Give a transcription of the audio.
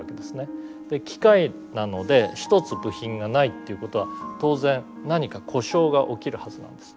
機械なので１つ部品がないっていうことは当然何か故障が起きるはずなんです。